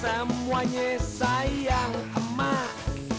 semuanya sayang emak